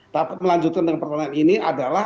tapi melanjutkan dengan pertanyaan ini adalah